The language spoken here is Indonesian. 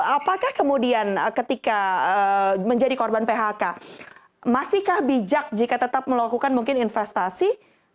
apakah kemudian ketika menjadi korban phk masihkah bijak jika tetap melakukan mungkin investasi